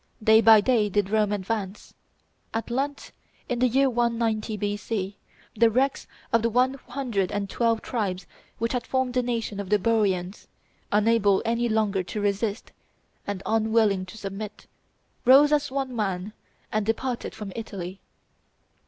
Day by day did Rome advance. At length, in the year 190 B.C., the wrecks of the one hundred and twelve tribes which had formed the nation of the Boians, unable any longer to resist, and unwilling to submit, rose as one man, and departed from Italy.